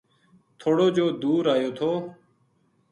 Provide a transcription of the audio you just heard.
تھوڑو جو دُور ایو تھو